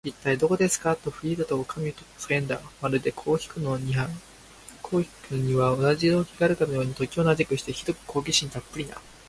「いったい、どこですか？」と、フリーダとおかみとが叫んだ。まるで、こうきくのには同じ動機があるかのように、時を同じくして、ひどく好奇心たっぷりな